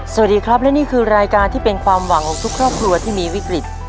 สวัสดีครับและนี่คือรายการที่เป็นความหวังของทุกครอบครัวที่มีวิกฤต